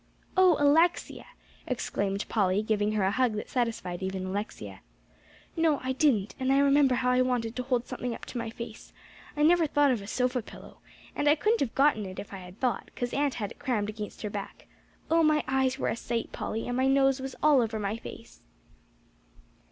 "Oh, Alexia!" exclaimed Polly, giving her a hug that satisfied even Alexia. "No, I didn't; and I remember how I wanted to hold something up to my face. I never thought of a sofa pillow, and I couldn't have gotten it if I had thought, 'cause aunt had it crammed against her back. Oh, my eyes were a sight, Polly, and my nose was all over my face."